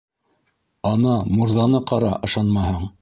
- Ана мурҙаны ҡара, ышанмаһаң...